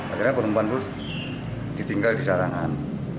akhirnya perempuan itu ditinggal di sarangan